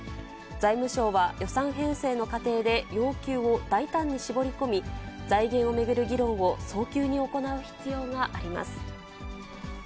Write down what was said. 財務省は、予算編成の過程で要求を大胆に絞り込み、財源を巡る議論を早急に行う必要があります。